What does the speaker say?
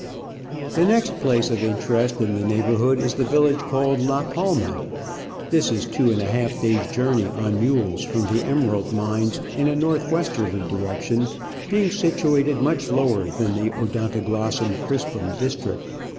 The next place of interest in the neighbourhood is the village called La Palma. This is two and a half days* jour ney on mules from the emerald mines in a north westerly direction, being situ ated much lower than the Odontoglos sum crispum district.